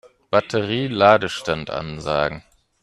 Batterie-Ladestand ansagen.